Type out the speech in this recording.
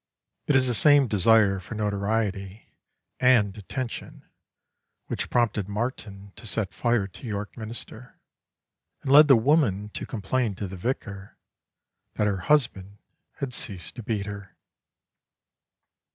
It is the same desire for notoriety and attention which prompted Martin to set fire to York Minster, and led the woman to complain to the vicar that her husband had ceased to beat her.